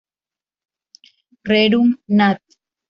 Rerum Nat.